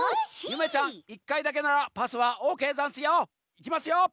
ゆめちゃん１かいだけならパスはオーケーざんすよ。いきますよ。